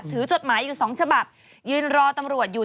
จดหมายอยู่สองฉบับยืนรอตำรวจอยู่